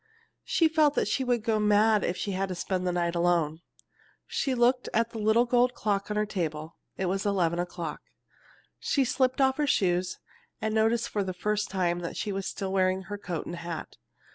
She felt that she would go mad if she had to spend the night alone. She looked at the little gold clock on her table. It was eleven o'clock. She slipped off her shoes, and noticed for the first time that she was still wearing her coat and hat.